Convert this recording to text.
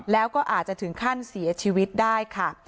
แล้วก็อาจจะถึงขั้นเสียชีวิตได้ค่ะ